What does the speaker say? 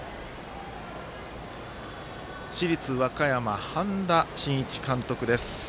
市立和歌山、半田真一監督です。